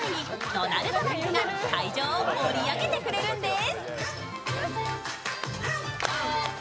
ドナルドダックが会場を盛り上げてくれるんです。